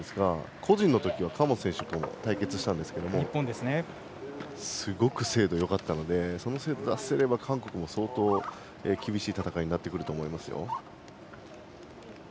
個人のときは河本選手と対戦したんですがすごく精度がよかったのでその精度を出せれば韓国は相当厳しい戦いになってくると思いますよ。